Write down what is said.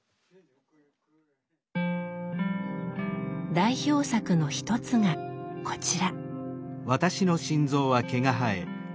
代表作の一つがこちら。